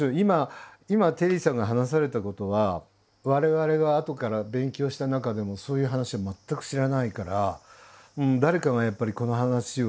今テリーさんが話されたことは我々があとから勉強した中でもそういう話は全く知らないから誰かがやっぱりこの話を。